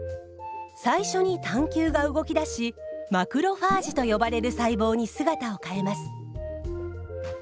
最初に単球が動き出しマクロファージと呼ばれる細胞に姿を変えます。